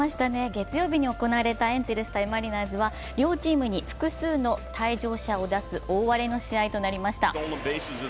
月曜日に行われたエンゼルス×マリナーズは両チームに複数の退場者を出す大荒れの試合となりました。